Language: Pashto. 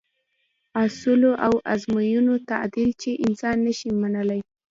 اصولو او موازینو تعدیل چې انسان نه شي منلای.